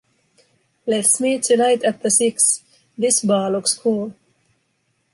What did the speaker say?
Let’s meet tonight at the Six, this bar looks cool.